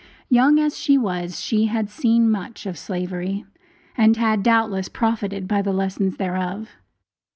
Young as she was, she had seen much of slavery, and had, doubtless, profited by the lessons thereof.